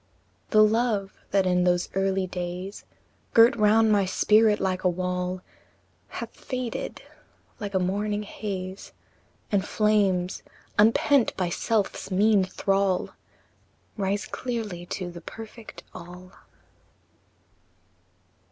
VI. The love, that in those early days Girt round my spirit like a wall, Hath faded like a morning haze, And flames, unpent by self's mean thrall, Rise clearly to the perfect |ALL|.